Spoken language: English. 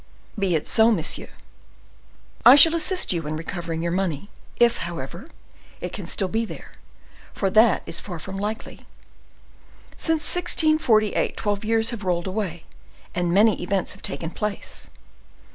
"Be it so, monsieur. I shall assist you in recovering your money, if, however, it can still be there; for that is far from likely. Since 1648 twelve years have rolled away, and many events have taken place."